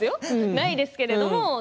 ないですけれども。